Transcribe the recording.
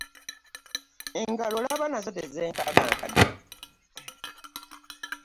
Engalo olaba nazo tezenkanankana.